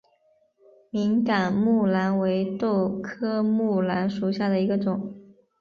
敏感木蓝为豆科木蓝属下的一个种。